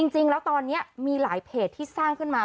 จริงแล้วตอนนี้มีหลายเพจที่สร้างขึ้นมา